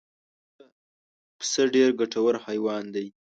پسه ډېر ګټور حیوان دی.